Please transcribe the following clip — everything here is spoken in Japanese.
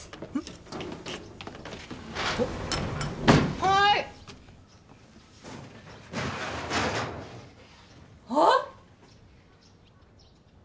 はーい！あっ！